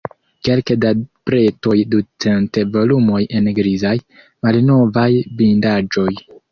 Kelke da bretoj, ducent volumoj en grizaj, malnovaj bindaĵoj.